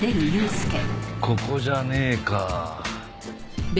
ここじゃねえか。